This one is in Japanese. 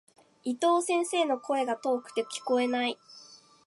伊藤先生の、声が遠くて聞こえない。